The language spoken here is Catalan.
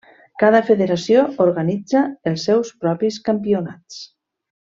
Cada federació organitzà els seus propis campionats.